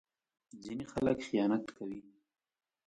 ځینې خلک خیانت کوي.